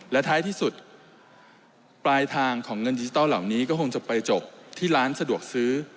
และท้ายที่สุดปลายทางของเงินดิจิทัลเหล่านี้ก็คงจะไปจบที่ร้านสะดวกซื้อ